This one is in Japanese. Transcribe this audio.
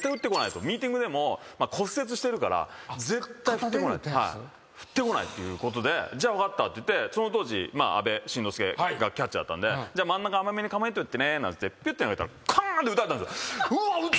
ミーティングでも骨折してるから絶対振ってこないっていうことでじゃあ分かったっていってその当時阿部慎之助がキャッチャーだったんで「じゃあ真ん中甘めに構えといてね」なんて言ってピュッて投げたらカーンって打たれたんですよ。